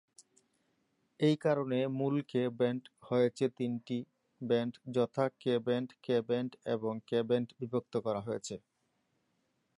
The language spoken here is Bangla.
এই কারণে মূল কে ব্যান্ড হয়েছে তিনটি ব্যান্ড যথা কে ব্যান্ড, কে ব্যান্ড, এবং কে ব্যান্ড বিভক্ত করা হয়েছে।